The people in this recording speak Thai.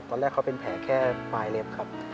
ตอนแรกเขาเป็นแผลแค่ปลายเล็บครับ